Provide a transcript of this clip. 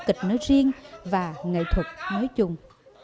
kịch nói riêng và nghệ thuật nói chung